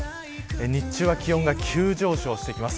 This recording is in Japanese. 日中は気温が急上昇してきます。